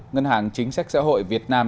ngân hàng chính sách xã hội việt nam